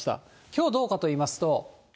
きょうどうかといいますと。